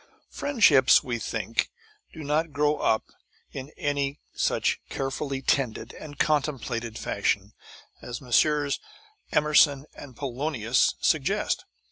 Friendships, we think, do not grow up in any such carefully tended and contemplated fashion as Messrs. Emerson and Polonius suggest.